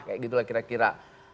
kayak gitu lah kira kira